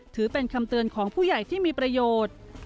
ถือเป็นคำเตือนของผู้ใหญ่ที่มีประโยชน์